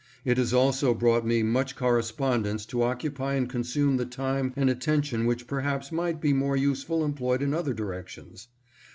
It has also brought me much correspondence to occupy and consume the time and attention which perhaps might be more usefully employed in other directions.